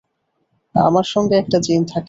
আমার সঙ্গে একটা জিন থাকে।